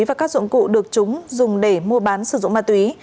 và các dụng cụ được chúng dùng để mua bán sử dụng ma túy